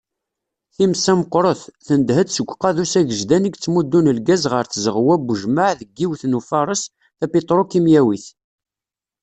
Times-a meqqret, tendeh-d seg uqadus agejdan i yettmuddun lgaz ɣer tzeɣwa n ujmaɛ deg yiwet n ufares tapitrukimyawit.